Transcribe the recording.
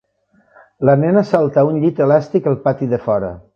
La nena salta a un llit elàstic al pati de fora